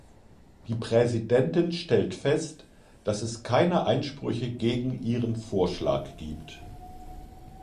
Die Präsidentin stellt fest, dass es keine Einsprüche gegen ihren Vorschlag gibt.